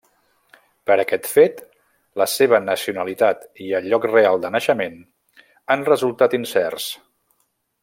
Per aquest fet, la seva nacionalitat i el lloc real de naixement han resultat incerts.